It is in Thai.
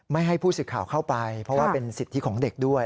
ไม่ให้ผู้สื่อข่าวเข้าไปเพราะว่าเป็นสิทธิของเด็กด้วย